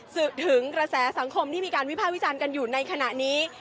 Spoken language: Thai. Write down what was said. ถึงกระแสสังคมที่มีการวิภาควิจารณ์กันอยู่ในขณะนี้